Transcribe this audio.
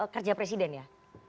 kerja presiden ya